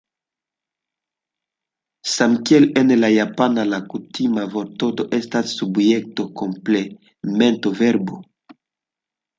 Samkiel en la japana, la kutima vortordo estas subjekto-komplemento-verbo.